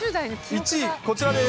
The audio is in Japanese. １位、こちらです。